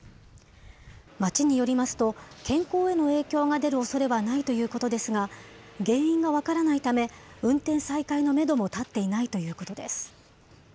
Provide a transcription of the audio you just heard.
町によりますと、健康への影響が出るおそれはないということですが、原因が分からないため、運転再開のメドも立っていないということです。